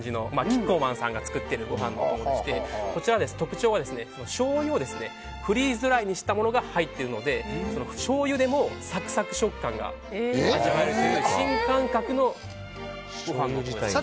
キッコーマンさんが作っているご飯のお供でこちらの特徴はしょうゆをフリーズドライにしたものが入っているのでしょうゆでもサクサク食感が味わえるという新感覚のご飯のお供です。